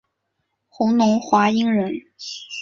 弘农华阴人。